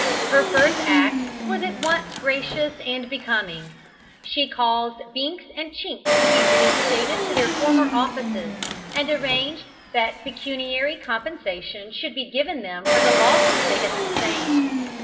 Her first act was at once gracious and becoming. She caused Binks and Chinks to be reinstated in their former offices, and arranged that pecuniary compensation should be given them for the losses they had sustained.